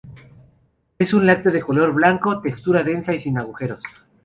Es un lácteo de color blanco, textura es densa y sin agujeros.